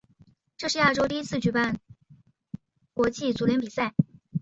这是亚洲第一次举办国际足联比赛。